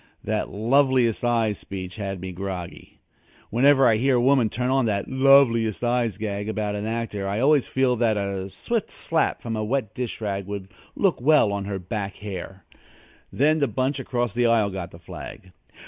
That "loveliest eyes" speech had me groggy. Whenever I hear a woman turn on that "loveliest eyes" gag about an actor I always feel that a swift slap from a wet dish rag would look well on her back hair. Then the bunch across the aisle got the flag.